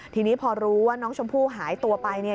ทีนี้พอรู้ว่าน้องชมพู่หายตัวไปเนี่ย